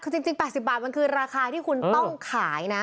คือจริง๘๐บาทมันคือราคาที่คุณต้องขายนะ